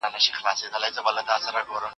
هغه وويل چي درسونه لوستل کول مهم دي.